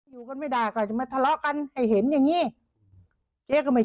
อยู่กันไม่ได้ก็จะมาทะเลาะกันให้เห็นอย่างงี้เจ๊ก็ไม่